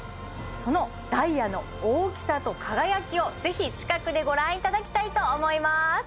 そのダイヤの大きさと輝きをぜひ近くでご覧いただきたいと思います